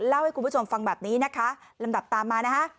เล่าให้คุณผู้ชมฟังแบบนี้นะคะลำดับตามมานะคะ